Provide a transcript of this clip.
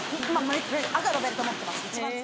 赤のベルト持ってます。